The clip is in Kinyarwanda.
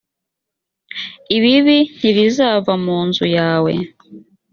ibibi ntibizava mu nzu yawe